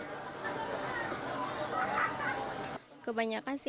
masa pertama turis malaysia menurun drastis